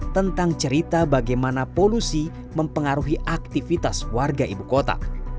tentang cerita bagaimana polusi mempengaruhi aktivitas warga ibukota